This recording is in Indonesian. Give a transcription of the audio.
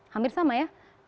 hampir sama ya